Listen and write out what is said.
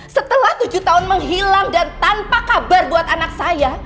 setelah tujuh tahun menghilang dan tanpa kabar buat anak saya